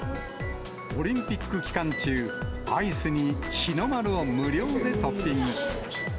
オリンピック期間中、アイスに日の丸を無料でトッピング。